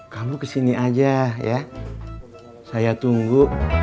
kamu kesini aja ya saya tunggu